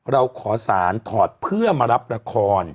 เราขอสารถอดเพื่อมารับละคร